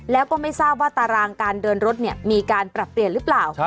แล้วก็ไม่ทราบว่าตารางการเดินรถมีการปรับเปลี่ยนหรือเปล่า